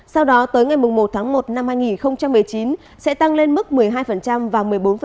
sau đó tới ngày một tháng một năm hai nghìn một mươi chín sẽ tăng lên mức một mươi hai và một mươi bốn